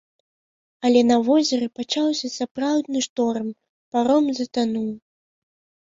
Але на возеры пачаўся сапраўдны шторм, паром затануў.